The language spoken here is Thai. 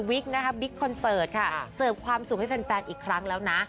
บิ๊กคอนเสิร์ตค่ะเสิร์ฟความสุขให้แฟนอีกครั้งแล้วนะ